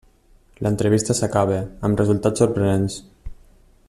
L'entrevista s'acaba, amb resultats sorprenents.